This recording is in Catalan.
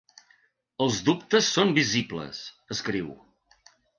Els dubtes són visibles, escriu.